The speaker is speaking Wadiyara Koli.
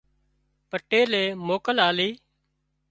پٽيلي موڪل آلِي